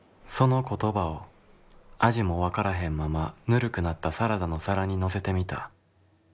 「その言葉を味も分からへんままぬるくなったサラダの皿に乗せてみた。